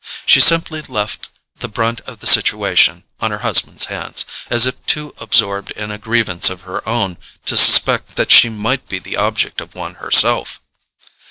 She simply left the brunt of the situation on her husband's hands, as if too absorbed in a grievance of her own to suspect that she might be the object of one herself.